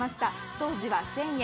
当時は１０００円。